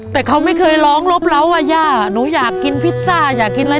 แต่เขาไม่เคยร้องรบเล้าว่าย่าหนูอยากกินพิซซ่าอยากกินอะไร